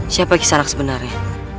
siapa kisanak sebenarnya